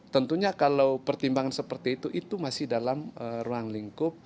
tentunya kalau pertimbangan seperti itu itu masih dalam ruang lingkup